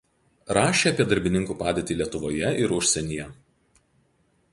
Rašė apie darbininkų padėtį Lietuvoje ir užsienyje.